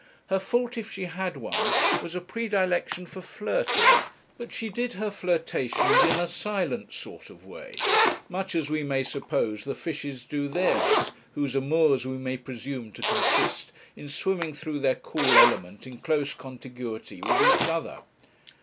Her fault, if she had one, was a predilection for flirting; but she did her flirtations in a silent sort of way, much as we may suppose the fishes do theirs, whose amours we may presume to consist in swimming through their cool element in close contiguity with each other.